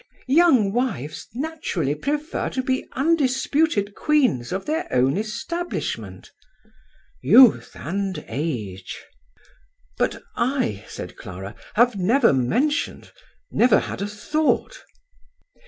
" Young wives naturally prefer to be undisputed queens of their own establishment." " Youth and age!" "But I," said Clara, "have never mentioned, never had a thought